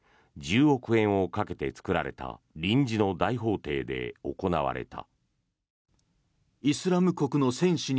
１０億円をかけて作られた臨時の大法廷で行われた。